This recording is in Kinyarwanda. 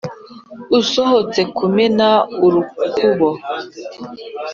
usohotse kumena urukubo